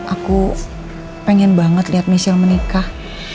aku pengen banget lihat michelle menikah